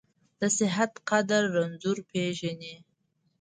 د صحت قدر رنځور پېژني .